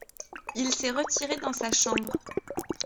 Il s’est retiré dans sa chambre.